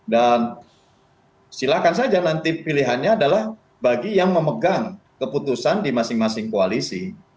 dan silakan saja nanti pilihannya adalah bagi yang memegang keputusan di masing masing koalisi